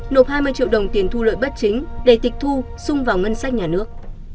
nộp hai mươi triệu đồng tiền thu lợi bất chính để tịch thu xung vào ngân sách nhà nước